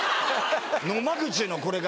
野間口のこれが。